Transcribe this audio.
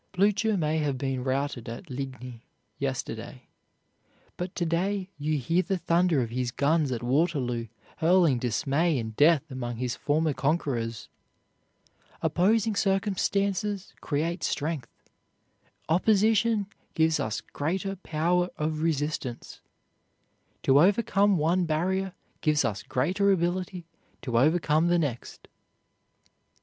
Blücher may have been routed at Ligny yesterday, but to day you hear the thunder of his guns at Waterloo hurling dismay and death among his former conquerors. Opposing circumstances create strength. Opposition gives us greater power of resistance. To overcome one barrier gives us greater ability to overcome the next.